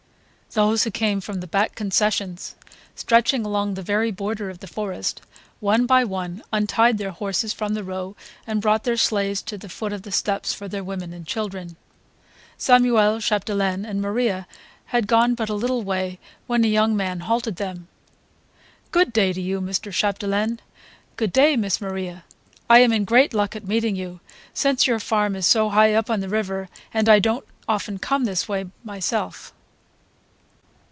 Those who came from the back concessions, stretching along the very border of the forest, one by one untied their horses from the row and brought their sleighs to the foot of the steps for their women and children. Samuel Chapdelaine and Maria had gone but a little way when a young man halted them. "Good day to you, Mr. Chapdelaine. Good day, Miss Maria. I am in great luck at meeting you, since your farm is so high up the river and I don't often come this way myself."